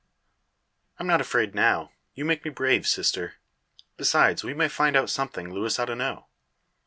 "I'm not afraid now. You make me brave, sister. Besides, we may find out something Luis ought to know."